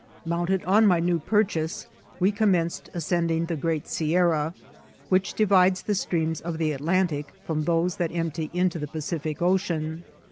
Mounted on my new purchase, we commenced as* cending the great Sierra, which divides the streams of the Atlantic from those that empty into the Pacific Ocean.